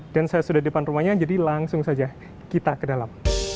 dan saya sudah di depan rumahnya jadi langsung saja kita ke dalam